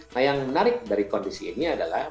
nah yang menarik dari kondisi ini adalah